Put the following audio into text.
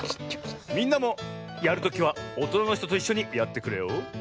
みんなもやるときはおとなのひとといっしょにやってくれよ。